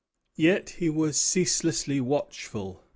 Yet he was ceaselessly watchful.